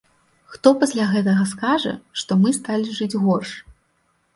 Хто пасля гэтага скажа, што мы сталі жыць горш?